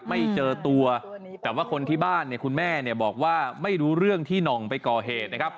ไม่เจอตัวแต่ว่าคนที่บ้านเนี่ยคุณแม่เนี่ยบอกว่าไม่รู้เรื่องที่หน่องไปก่อเหตุนะครับ